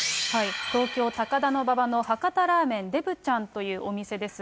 東京・高田馬場の博多ラーメンでぶちゃんというお店です。